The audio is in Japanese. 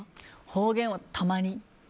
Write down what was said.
方言はたまに。